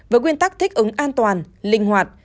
với quyên tắc thích ứng an toàn linh hoạt